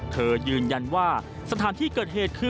ยืนยันว่าสถานที่เกิดเหตุคือ